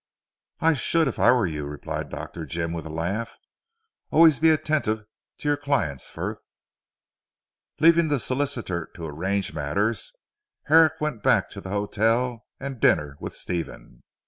"I should, if I were you," replied Dr. Jim with a laugh, "always be attentive to your clients Frith." Leaving the solicitor to arrange matters, Herrick went back to the Hotel and dinner with Stephen.